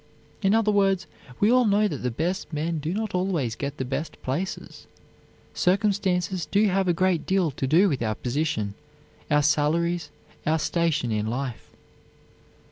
In other words, we all know that the best men do not always get the best places; circumstances do have a great deal to do with our position, our salaries, our station in life.